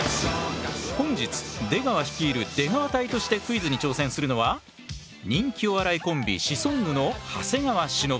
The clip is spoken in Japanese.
本日出川率いる出川隊としてクイズに挑戦するのは人気お笑いコンビシソンヌの長谷川忍。